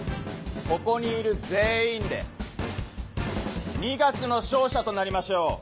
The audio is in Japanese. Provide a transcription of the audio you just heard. ここにいる全員で二月の勝者となりましょう。